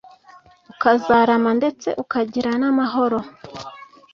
ukazarama ndetse ukagira n’amahoro